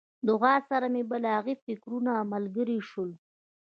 دعا سره مې بلاغي فکرونه ملګري شول.